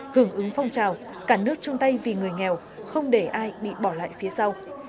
hưởng ứng phong trào cả nước chung tay vì người nghèo không để ai bị bỏ lại phía sau